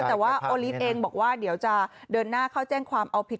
แต่ว่าโอลิฟต์เองบอกว่าเดี๋ยวจะเดินหน้าเข้าแจ้งความเอาผิด